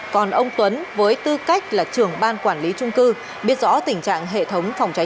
còn ông tuấn với tư cách là trưởng ban quản lý trung cư biết rõ tình trạng hệ thống phòng cháy